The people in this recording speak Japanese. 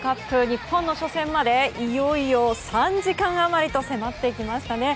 日本の初戦までいよいよ３時間余りと迫ってきましたね。